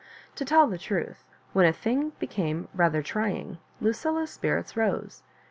To tell tiie truth, when a thing became rather trying. Lucilla's spirits rose.